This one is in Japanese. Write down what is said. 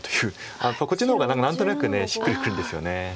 あっこっちの方が何となくしっくりくるんですよね。